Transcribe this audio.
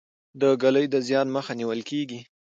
د ږلۍ د زیان مخه نیول کیږي.